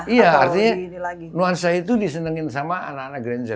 iya artinya nuansa itu disenengin sama anak anak ganjar